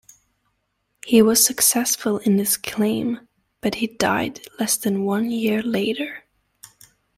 He was successful in his claim, but he died less than one year later.